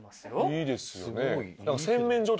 いいですよね。